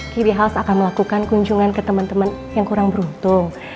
kiri house akan melakukan kunjungan ke teman teman yang kurang beruntung